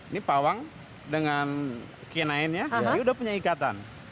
ini pawang dengan kinainnya kami sudah punya ikatan